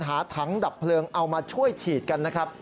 หาถังดับเพลิงเอามาช่วยฉีดกันนะครับ